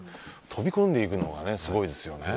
飛び込んでいくのがすごいですよね。